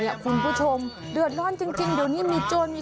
คุณผู้ชมเดือดร้อนจริงเดี๋ยวนี้มีโจรมี